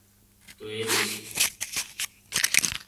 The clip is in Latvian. Tu ēdīsi?